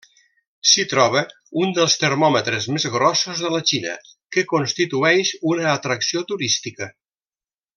S’hi troba un dels termòmetres més grossos de la Xina, que constitueix una atracció turística.